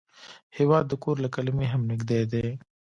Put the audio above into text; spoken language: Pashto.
هېواد د کور له کلمې هم نږدې دی.